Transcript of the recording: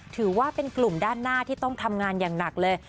ถือว่าเป็นกลุ่มด้านหน้าที่ต้องทำงานอย่างหนักเลย